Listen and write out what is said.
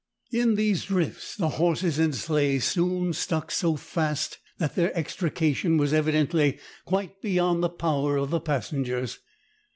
In these drifts the horses and sleigh soon stuck so fast that their extrication was evidently quite beyond the power of the passengers.